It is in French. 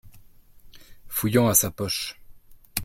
Fouillant à sa poche.